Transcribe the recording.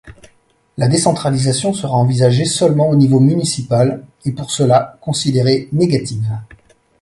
La décentralisation sera envisagée seulement au niveau municipal, et pour cela considérée négative.